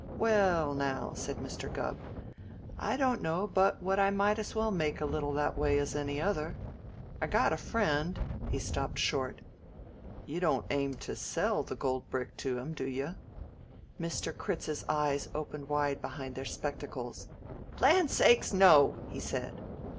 "Well, now," said Mr. Gubb, "I don't know but what I might as well make a little that way as any other. I got a friend " He stopped short. "You don't aim to sell the gold brick to him, do you?" Mr. Critz's eyes opened wide behind their spectacles. "Land's sakes, no!" he said.